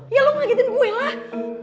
ya lu ngagetin gue lah